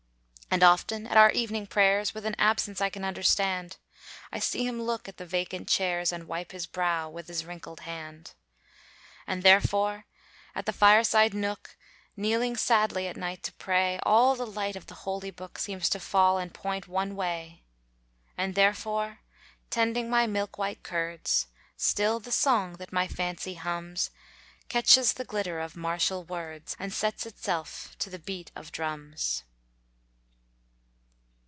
And often at our evening prayers, With an absence I can understand, I see him look at the vacant chairs, And wipe his brow with his wrinkled hand. And therefore at the fireside nook, Kneeling sadly at night to pray, All the light of the holy book Seems to fall and point one way. And therefore tending my milk white curds, Still the song that my fancy hums, Catches the glitter of martial words, And sets itself to the beat of drums.